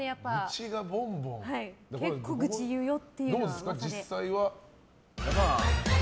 結構、愚痴言うよっていう噂で。